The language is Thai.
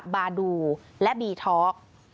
บาดูและบีทอร์ค